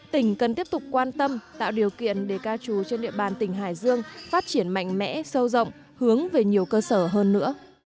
tỉnh cần tiếp tục quan tâm tạo điều kiện để ca trù trên địa bàn tỉnh hải dương phát triển mạnh mẽ sâu rộng hướng về nhiều cơ sở hơn nữa